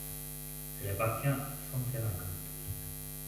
Elle appartient à Centerra Gold.